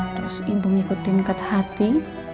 terus ibu ngikutin kata hati